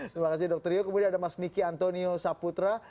terima kasih dr rio kemudian ada mas niki antonio saputra